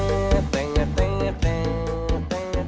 tengah tengah tengah tengah